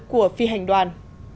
của phi hành đoàn